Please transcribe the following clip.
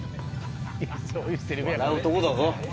笑うとこだぞ。